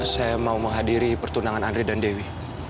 saya mau menghadiri pertunangan andri dan dewi